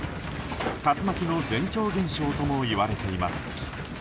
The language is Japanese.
竜巻の前兆現象ともいわれています。